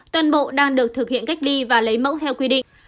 toàn bộ đang được thực hiện cách ly và lấy mẫu theo quy định